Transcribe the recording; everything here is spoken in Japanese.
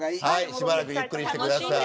しばらくゆっくりしてください。